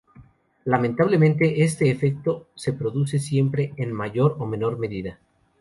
Lamentablemente, este efecto se produce siempre en mayor o menor medida.